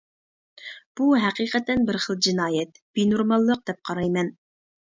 بۇ ھەقىقەتەن بىر خىل جىنايەت، بىنورماللىق دەپ قارايمەن.